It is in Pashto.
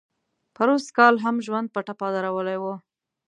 پروسږ کال هم ژوند په ټپه درولی و.